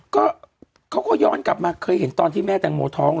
ก็เขาก็ย้อนกลับมาเคยเห็นตอนที่แม่แตงโมท้อง